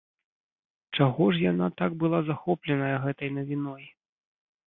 Чаго ж яна так была захопленая гэтай навіной?